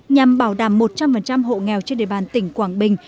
nhằm bảo đảm một trăm linh hộ nghèo trên địa bàn tỉnh quảng bình